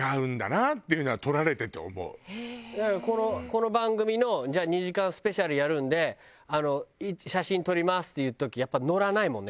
この番組のじゃあ２時間スペシャルやるんで写真撮りますっていう時。